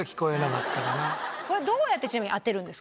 これどうやってちなみに当てるんですか？